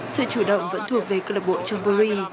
sự chủ động vẫn thuộc về club john burry